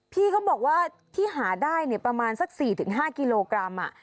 พี่เขาบอกว่าที่หาได้เนี้ยประมาณสักสี่ถึงห้ากิโลกรัมอ่ะ